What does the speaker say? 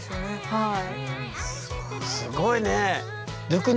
はい。